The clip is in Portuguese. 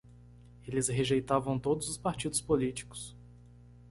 Eles rejeitavam todos os partidos políticos